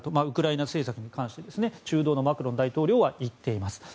ウクライナ政策に関して中道のマクロン大統領は言っています。